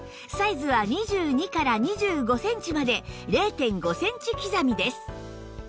サイズは２２から２５センチまで ０．５ センチ刻みです